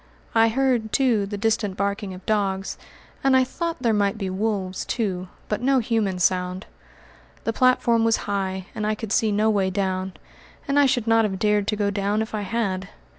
I heard, too, the distant barking of dogs, and I thought there might be wolves, too; but no human sound. The platform was high and I could see no way down, and I should not have dared to go down if I had.